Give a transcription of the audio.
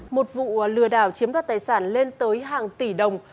một vụ lừa đảo chiếm đoạt tài sản lên tới hàng tỷ đồng